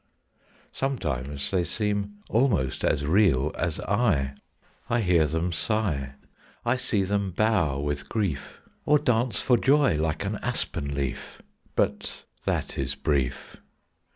Sometimes they seem almost as real as I; I hear them sigh; I see them bow with grief, Or dance for joy like an aspen leaf; But that is brief.